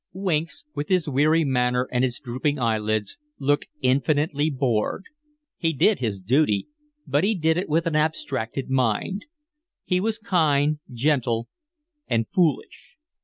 Winks, with his weary manner and his drooping eyelids, looked infinitely bored. He did his duty, but he did it with an abstracted mind. He was kind, gentle, and foolish.